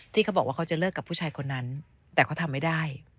ที่เขาบอกว่าเขาจะเลิกกับผู้ชายคนนั้นแต่เขาทำไม่ได้